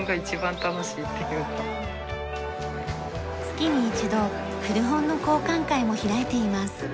月に一度古本の交換会も開いています。